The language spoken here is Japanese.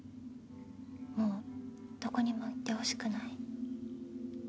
もうどこにも行ってほしくない。